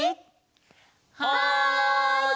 はい！